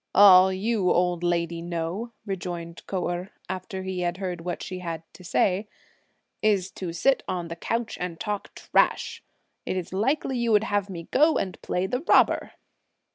"All you old lady know," rejoined Kou Erh, after he had heard what she had to say, "is to sit on the couch and talk trash! Is it likely you would have me go and play the robber?"